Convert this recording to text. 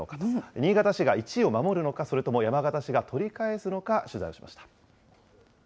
新潟市が１位を守るのか、それとも山形市が取り返すのか取材をしました。